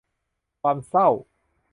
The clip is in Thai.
ความเศร้า